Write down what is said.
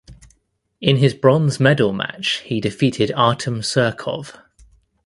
In his bronze medal match he defeated Artem Surkov.